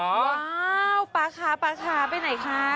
ว้าวป่าค้าไปไหนคะ